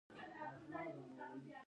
اوبه د کرنې ژوند دی.